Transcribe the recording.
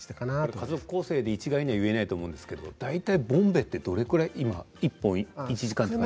家族構成で一概には言えないと思うんですがボンベってどれぐらいですかね。